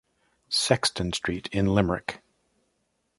Sexton Street in Limerick.